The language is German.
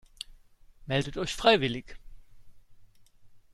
Meldet euch freiwillig!